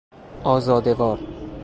آزاده وار